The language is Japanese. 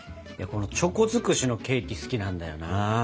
このチョコ尽くしのケーキ好きなんだよな。